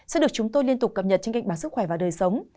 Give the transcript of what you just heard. sẽ được chúng tôi liên tục cập nhật trên kịch bản sức khỏe và đời sống